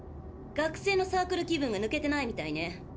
学生のサークル気分がぬけてないみたいね。